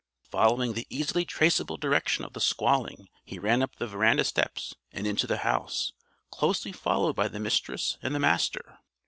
Following the easily traceable direction of the squalling, he ran up the veranda steps and into the house closely followed by the Mistress and the Master.